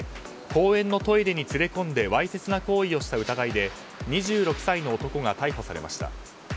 公園のトイレに連れ込んでわいせつな行為をした疑いで２６歳の男が逮捕されました。